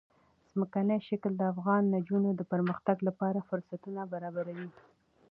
ځمکنی شکل د افغان نجونو د پرمختګ لپاره فرصتونه برابروي.